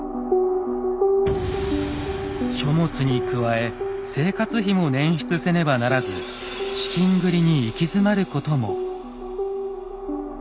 書物に加え生活費も捻出せねばならず資金繰りに行き詰まることも。